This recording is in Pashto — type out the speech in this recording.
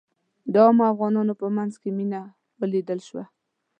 د عامو افغانانو په منځ کې مينه ولیدل شوه.